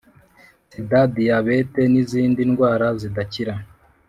Sida diyabete nizindi n’indwara zidakira